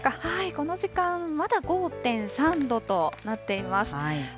この時間、まだ５．３度となっています。